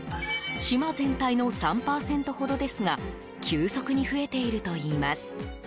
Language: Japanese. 島全体の３％ほどですが急速に増えているといいます。